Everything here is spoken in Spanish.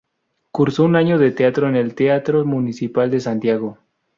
Cursó un año de teatro en el Teatro Municipal de Santiago.